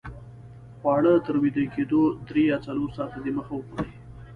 خواړه تر ویده کېدو درې یا څلور ساته دمخه وخورئ